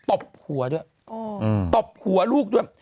ตบหัวด้วยตบหัวลูกด้วย